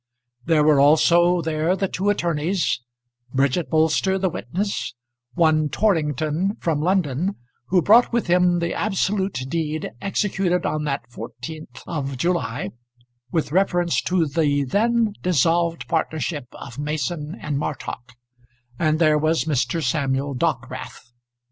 There were also there the two attorneys, Bridget Bolster the witness, one Torrington from London who brought with him the absolute deed executed on that 14th of July with reference to the then dissolved partnership of Mason and Martock; and there was Mr. Samuel Dockwrath.